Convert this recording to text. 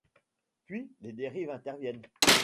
Puis, les dérives interviennent.